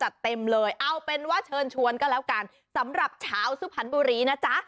เต็มเลยเอาเป็นว่าเชิญชวนก็แล้วกันสำหรับชาวสุพรรณบุรีนะจ๊ะ